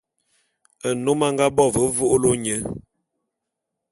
Nnôm a nga bo ve vô'ôlô nye.